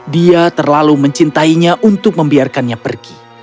dia terlalu mencintainya untuk membiarkannya pergi